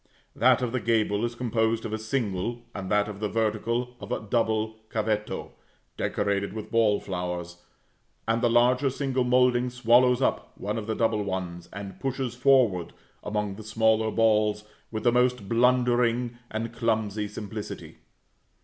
That of the gable is composed of a single, and that of the vertical of a double cavetto, decorated with ball flowers; and the larger single moulding swallows up one of the double ones, and pushes forward among the smaller balls with the most blundering and clumsy simplicity.